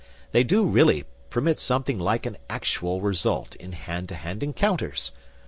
They do really permit something like an actual result to hand to hand encounters.